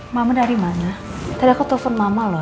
mama dari mana tadi aku telepon mama loh